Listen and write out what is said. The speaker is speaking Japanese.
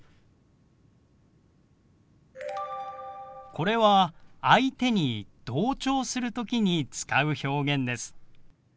これは相手に同調する時に使う表現です。